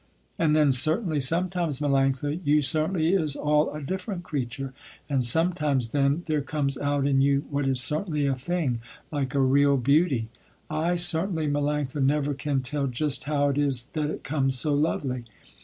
And then certainly sometimes, Melanctha, you certainly is all a different creature, and sometimes then there comes out in you what is certainly a thing, like a real beauty. I certainly, Melanctha, never can tell just how it is that it comes so lovely.